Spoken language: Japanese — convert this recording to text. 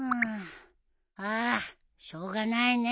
あーしょうがないね。